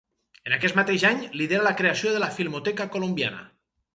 En aquest mateix any lidera la creació de la Filmoteca Colombiana.